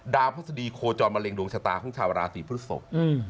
พฤษฎีโคจรมะเร็งดวงชะตาของชาวราศีพฤศพ